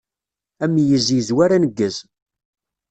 Ameyyez yezwar aneggez.